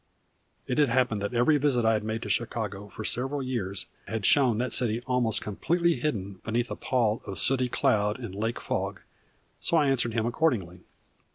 It had happened that every visit I had made to Chicago for several years had shown that city almost completely hidden beneath a pall of sooty cloud and lake fog; so I answered him accordingly.